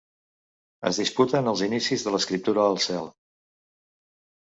Es disputen els inicis de l'escriptura al cel.